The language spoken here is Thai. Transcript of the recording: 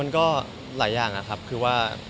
มันก็หลายอย่างนะครับคือว่า